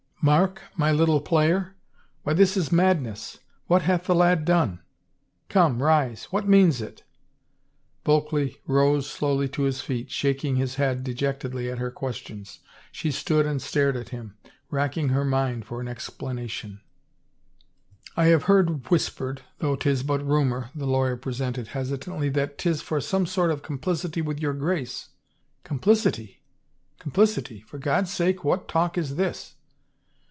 Mark, my little player? Why, this is madness — what hath the lad done ? Come, rise — what means it?" Bulkley rose slowly to his feet, shaking his head de jectedly at her questions. She stood and stared at him, racking her mind for an explanation. 321 THE FAVOR OF KINGS " I have heard whispered — though 'tis but rumor," the lawyer presented hesitantly, " that 'tis for some sort of complicity with your Grace." " Complicity ? Complicity ? For God's sake, what talk is this